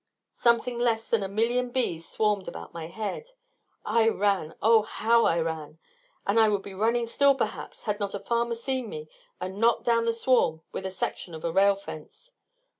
Something less than a million bees swarmed about my head. I ran! Oh, how I ran! And I would be running still, perhaps, had not a farmer seen me and knocked down the swarm with a section of a rail fence.